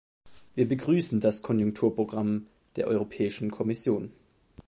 Wir begrüßen das Konjunkturprogramm der Europäischen Kommission.